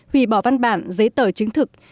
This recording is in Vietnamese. hủy bỏ văn bản giấy tờ chứng thực